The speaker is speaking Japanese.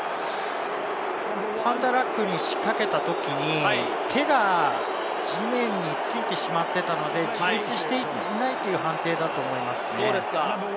カウンターラックに仕掛けたときに、手が地面についてしまっていたので、自立していないという判定だと思います。